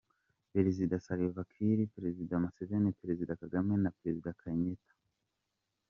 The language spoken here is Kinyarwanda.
Perezida Salva Kir, Perezida Museveni, Perezida Kagame na Perezida Kenyatta